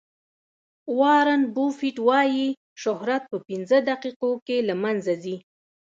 وارن بوفیټ وایي شهرت په پنځه دقیقو کې له منځه ځي.